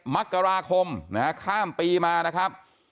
๒๗มักราคมข้ามปีมานะครับ